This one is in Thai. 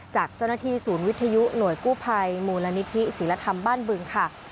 จากเจ้าหน้าที่ศูนย์วิทยุหน่วยกู้ภัยมูลนิธิศิลธรรมบ้านบึงค่ะ